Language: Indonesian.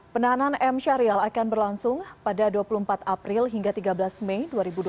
penahanan m syarial akan berlangsung pada dua puluh empat april hingga tiga belas mei dua ribu dua puluh